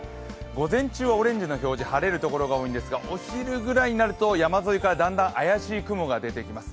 午前中はオレンジの表示、晴れるところが多いんですが、お昼ぐらいになると山沿いからだんだん怪しい雲が出てきます。